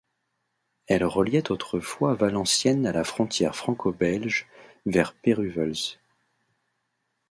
Elle reliait autrefois Valenciennes à la frontière franco-belge vers Péruwelz.